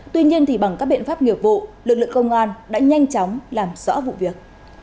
tuy nhiên bằng các biện pháp nghiệp vụ lực lượng công an đã nhanh chóng làm rõ vụ việc